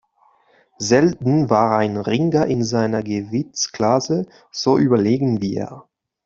Selten war ein Ringer in seiner Gewichtsklasse so überlegen wie er.